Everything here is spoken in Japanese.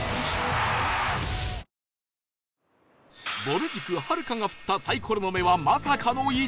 ぼる塾はるかが振ったサイコロの目はまさかの「１」